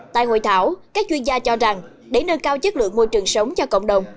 tại hội thảo các chuyên gia cho rằng để nâng cao chất lượng môi trường sống cho cộng đồng